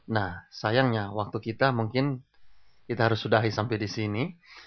nah sayangnya waktu kita mungkin kita harus sudahi sampai di sini